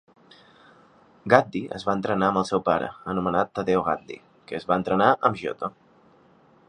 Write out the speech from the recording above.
Gaddi es va entrenar amb el seu pare, anomenat Taddeo Gaddi, que es va entrenar amb Giotto.